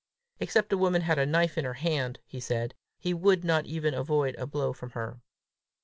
Except a woman had a knife in her hand, he said, he would not even avoid a blow from her.